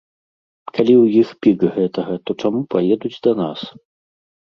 Калі ў іх пік гэтага, то чаму паедуць да нас?